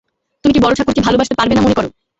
তুমি কি বড়োঠাকুরকে ভালোবাসতে পারবে না মনে কর?